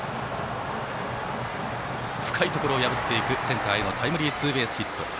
深いところを破るセンターへのタイムリーツーベースヒット。